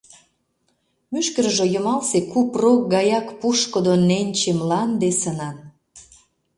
Мӱшкыржӧ йымалсе куп рок гаяк пушкыдо ненче мланде сынан.